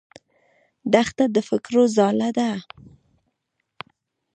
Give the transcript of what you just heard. دښته د فکرو ځاله ده.